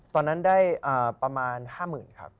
ตอนนั้นได้ประมาณ๕๐๐๐ครับ